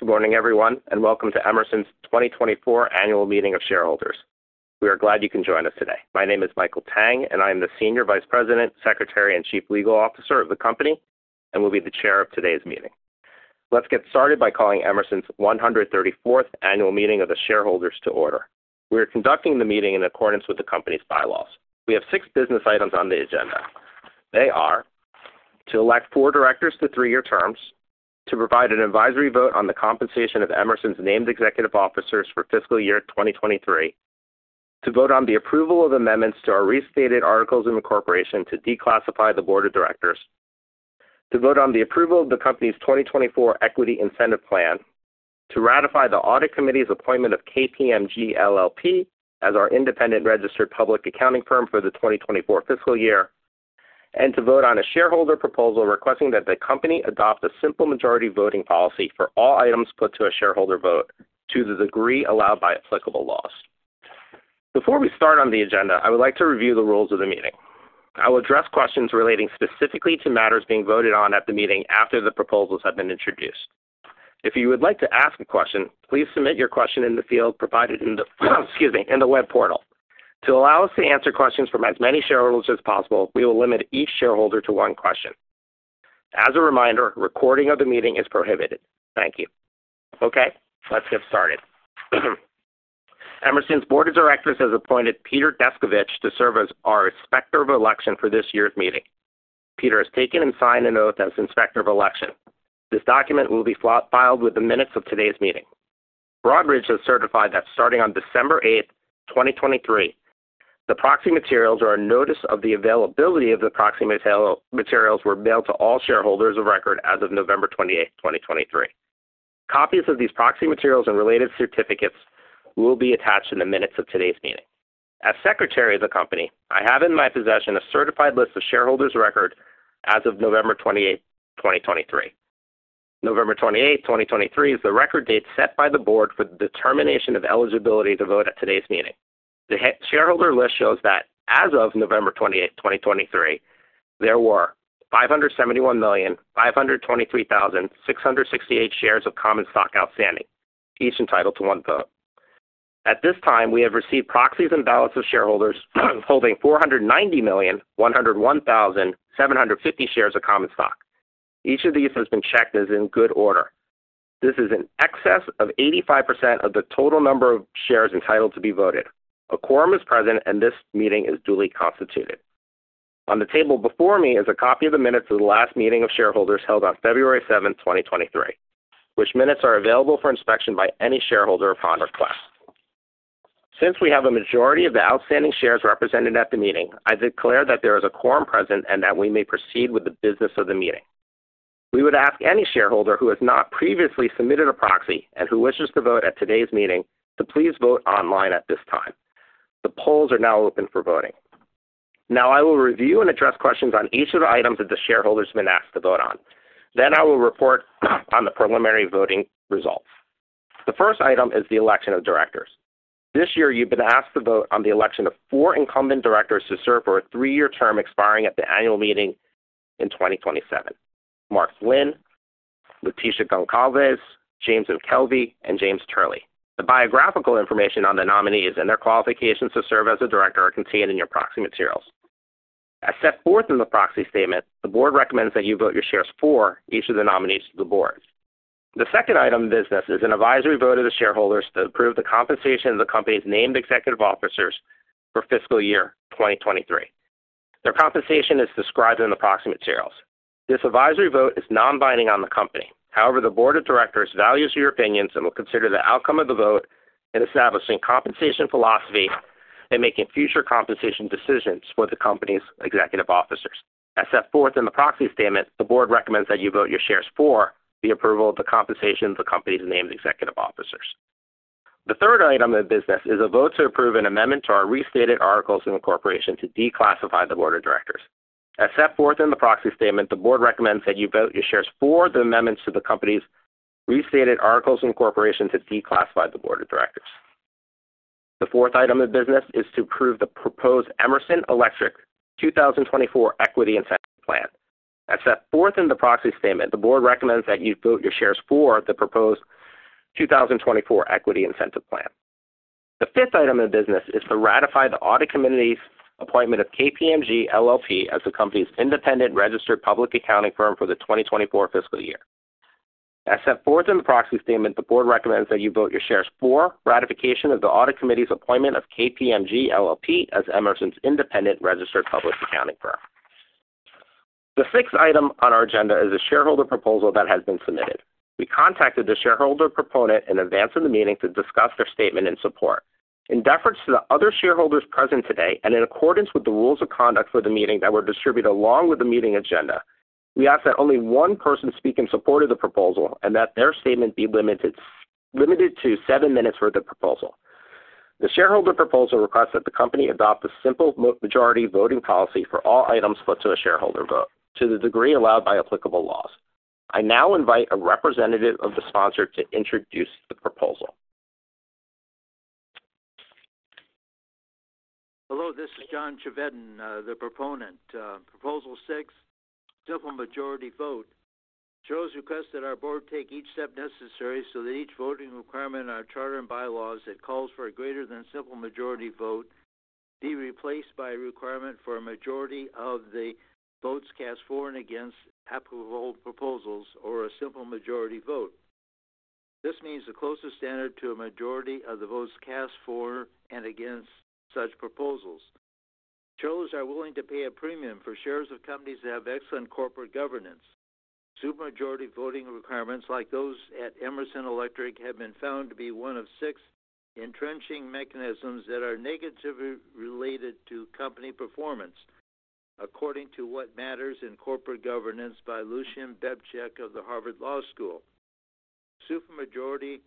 Good morning, everyone, and welcome to Emerson's 2024 Annual Meeting of Shareholders. We are glad you can join us today. My name is Michael Tang, and I am the Senior Vice President, Secretary, and Chief Legal Officer of the company and will be the chair of today's meeting. Let's get started by calling Emerson's 134th Annual Meeting of the Shareholders to order. We are conducting the meeting in accordance with the company's bylaws. We have six business items on the agenda. They are: to elect 4 directors to 3-year terms, to provide an advisory vote on the compensation of Emerson's named executive officers for fiscal year 2023, to vote on the approval of amendments to our Restated Articles of Incorporation to declassify the board of directors, to vote on the approval of the company's 2024 Equity Incentive Plan, to ratify the Audit Committee's appointment of KPMG LLP as our independent registered public accounting firm for the 2024 fiscal year, and to vote on a shareholder proposal requesting that the company adopt a simple majority voting policy for all items put to a shareholder vote, to the degree allowed by applicable laws. Before we start on the agenda, I would like to review the rules of the meeting. I will address questions relating specifically to matters being voted on at the meeting after the proposals have been introduced. If you would like to ask a question, please submit your question in the field provided in the, excuse me, in the web portal. To allow us to answer questions from as many shareholders as possible, we will limit each shareholder to one question. As a reminder, recording of the meeting is prohibited. Thank you. Okay, let's get started. Emerson's Board of Directors has appointed Peter Descovich to serve as our Inspector of Election for this year's meeting. Peter has taken and signed an oath as Inspector of Election. This document will be filed with the minutes of today's meeting. Broadridge has certified that starting on December 8, 2023, the proxy materials or a notice of the availability of the proxy materials were mailed to all shareholders of record as of November 28, 2023. Copies of these proxy materials and related certificates will be attached in the minutes of today's meeting. As Secretary of the Company, I have in my possession a certified list of shareholders of record as of November 28th, 2023. November 28th, 2023, is the record date set by the board for the determination of eligibility to vote at today's meeting. The shareholder list shows that as of November 28th, 2023, there were 571,523,668 shares of common stock outstanding, each entitled to one vote. At this time, we have received proxies and ballots of shareholders, holding 490,101,750 shares of common stock. Each of these has been checked and is in good order. This is in excess of 85% of the total number of shares entitled to be voted. A quorum is present, and this meeting is duly constituted. On the table before me is a copy of the minutes of the last meeting of shareholders held on February seventh, 2023, which minutes are available for inspection by any shareholder upon request. Since we have a majority of the outstanding shares represented at the meeting, I declare that there is a quorum present and that we may proceed with the business of the meeting. We would ask any shareholder who has not previously submitted a proxy and who wishes to vote at today's meeting to please vote online at this time. The polls are now open for voting. Now, I will review and address questions on each of the items that the shareholders have been asked to vote on. Then I will report on the Preliminary Voting Results. The first item is the election of directors. This year, you've been asked to vote on the election of four incumbent directors to serve for a three-year term expiring at the annual meeting in 2027. Mark Blinn, Leticia Gonçalves, James McKelvey, and James Turley. The biographical information on the nominees and their qualifications to serve as a director are contained in your proxy materials. As set forth in the proxy statement, the board recommends that you vote your shares for each of the nominees to the board. The second item of business is an advisory vote of the shareholders to approve the compensation of the company's named executive officers for fiscal year 2023. Their compensation is described in the proxy materials. This advisory vote is non-binding on the company. However, the board of directors values your opinions and will consider the outcome of the vote in establishing compensation philosophy and making future compensation decisions for the company's executive officers. As set forth in the Proxy Statement, the board recommends that you vote your shares for the approval of the compensation of the company's named executive officers. The third item of business is a vote to approve an amendment to our Restated Articles of Incorporation to declassify the board of directors. As set forth in the Proxy Statement, the board recommends that you vote your shares for the amendments to the company's Restated Articles of Incorporation to declassify the board of directors. The fourth item of business is to approve the proposed Emerson Electric 2024 Equity Incentive Plan. As set forth in the Proxy Statement, the board recommends that you vote your shares for the proposed 2024 Equity Incentive Plan. The fifth item of business is to ratify the Audit Committee's appointment of KPMG LLP as the company's independent registered public accounting firm for the 2024 fiscal year. As set forth in the Proxy Statement, the board recommends that you vote your shares for ratification of the Audit Committee's appointment of KPMG LLP as Emerson's independent registered public accounting firm. The sixth item on our agenda is a shareholder proposal that has been submitted. We contacted the shareholder proponent in advance of the meeting to discuss their statement and support. In deference to the other shareholders present today and in accordance with the rules of conduct for the meeting that were distributed along with the meeting agenda, we ask that only one person speak in support of the proposal and that their statement be limited to seven minutes for the proposal. The shareholder proposal requests that the company adopt a simple majority voting policy for all items put to a shareholder vote to the degree allowed by applicable laws. I now invite a representative of the sponsor to introduce the proposal. Hello, this is John Chevedden, the proponent. Proposal six, simple majority vote, shows request that our board take each step necessary so that each voting requirement in our charter and bylaws that calls for a greater than simple majority vote be replaced by a requirement for a majority of the votes cast for and against applicable proposals or a simple majority vote. This means the closest standard to a majority of the votes cast for and against such proposals. Shareholders are willing to pay a premium for shares of companies that have excellent corporate governance. Supermajority voting requirements, like those at Emerson Electric, have been found to be one of six entrenching mechanisms that are negatively related to company performance, according to What Matters in Corporate Governance by Lucian Bebchuk of the Harvard Law School. Supermajority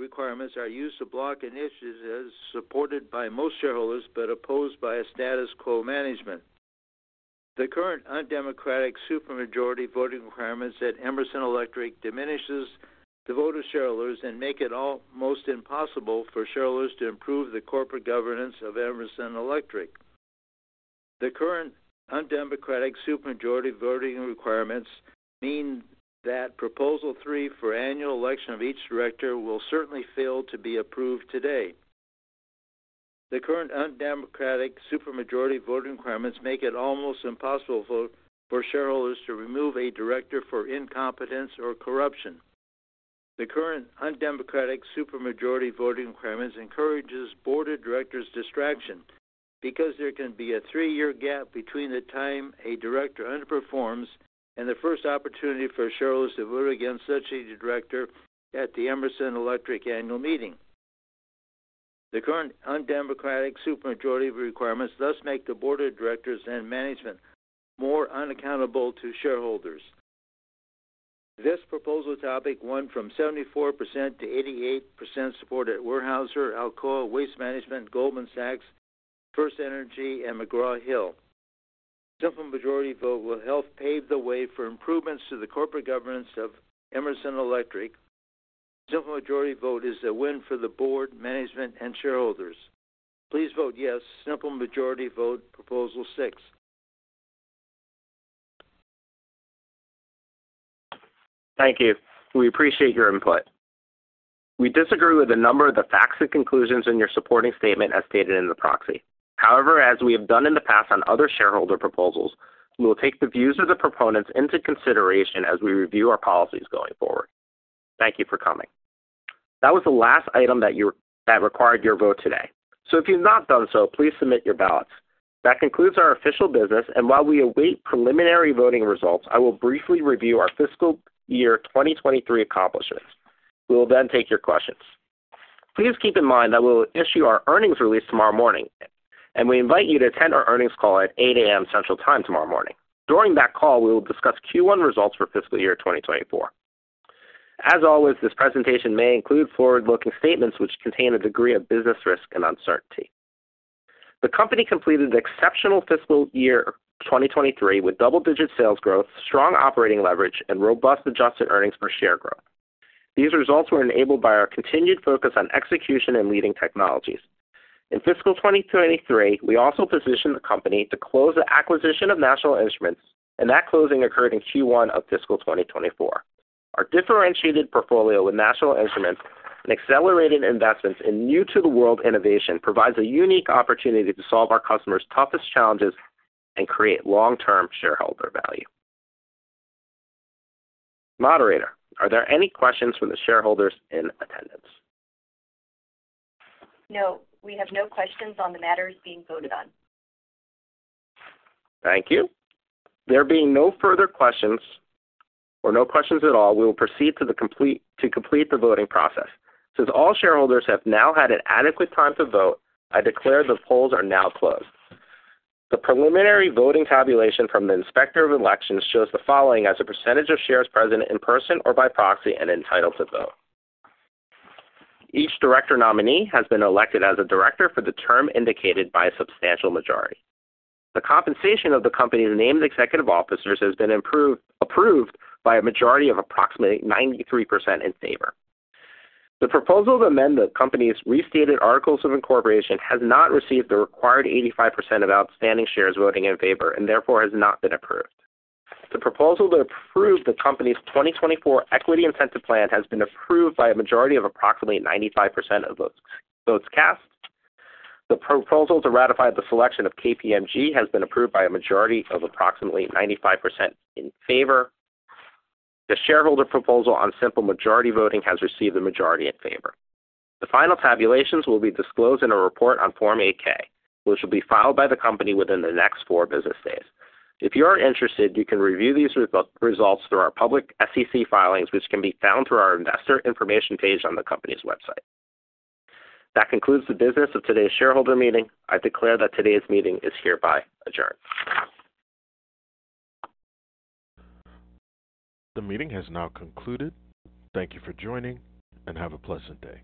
requirements are used to block initiatives supported by most shareholders, but opposed by a status quo management. The current undemocratic supermajority voting requirements at Emerson Electric diminishes the voter shareholders and make it almost impossible for shareholders to improve the corporate governance of Emerson Electric. The current undemocratic supermajority voting requirements mean that Proposal Three for annual election of each director will certainly fail to be approved today. The current undemocratic supermajority voting requirements make it almost impossible for shareholders to remove a director for incompetence or corruption. The current undemocratic supermajority voting requirements encourages board of directors distraction because there can be a three-year gap between the time a director underperforms and the first opportunity for shareholders to vote against such a director at the Emerson Electric annual meeting. The current undemocratic supermajority requirements thus make the board of directors and management more unaccountable to shareholders. This proposal topic won 74%-88% support at Weyerhaeuser, Alcoa, Waste Management, Goldman Sachs, FirstEnergy, and McGraw Hill. Simple majority vote will help pave the way for improvements to the corporate governance of Emerson Electric. Simple majority vote is a win for the board, management, and shareholders. Please vote yes. Simple majority vote, proposal six. Thank you. We appreciate your input. We disagree with a number of the facts and conclusions in your supporting statement as stated in the proxy. However, as we have done in the past on other shareholder proposals, we will take the views of the proponents into consideration as we review our policies going forward. Thank you for coming. That was the last item that required your vote today. So if you've not done so, please submit your ballots. That concludes our official business, and while we await preliminary voting results, I will briefly review our fiscal year 2023 accomplishments. We will then take your questions. Please keep in mind that we will issue our earnings release tomorrow morning, and we invite you to attend our earnings call at 8:00 A.M. Central Time tomorrow morning. During that call, we will discuss Q1 results for fiscal year 2024. As always, this presentation may include forward-looking statements which contain a degree of business risk and uncertainty. The company completed an exceptional fiscal year 2023, with double-digit sales growth, strong operating leverage, and robust adjusted earnings per share growth. These results were enabled by our continued focus on execution and leading technologies. In fiscal 2023, we also positioned the company to close the acquisition of National Instruments, and that closing occurred in Q1 of fiscal 2024. Our differentiated portfolio with National Instruments and accelerated investments in new to the world innovation provides a unique opportunity to solve our customers' toughest challenges and create long-term shareholder value. Moderator, are there any questions from the shareholders in attendance? No, we have no questions on the matters being voted on. Thank you. There being no further questions or no questions at all, we will proceed to complete the voting process. Since all shareholders have now had an adequate time to vote, I declare the polls are now closed. The preliminary voting tabulation from the Inspector of Elections shows the following as a percentage of shares present in person or by proxy and entitled to vote. Each director nominee has been elected as a director for the term indicated by a substantial majority. The compensation of the company's named executive officers has been approved by a majority of approximately 93% in favor. The proposal to amend the company's restated articles of incorporation has not received the required 85% of outstanding shares voting in favor and therefore has not been approved. The proposal to approve the company's 2024 Equity Incentive Plan has been approved by a majority of approximately 95% of votes, votes cast. The proposal to ratify the selection of KPMG has been approved by a majority of approximately 95% in favor. The shareholder proposal on simple majority voting has received the majority in favor. The final tabulations will be disclosed in a report on Form 8-K, which will be filed by the company within the next four business days. If you are interested, you can review these results through our public SEC filings, which can be found through our investor information page on the company's website. That concludes the business of today's shareholder meeting. I declare that today's meeting is hereby adjourned. The meeting has now concluded. Thank you for joining, and have a pleasant day.